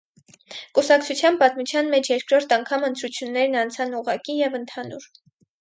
Կուսակցության պատմության մեջ երկրորդ անգամ ընտրություններն անցան ուղղակի և ընդհանուր։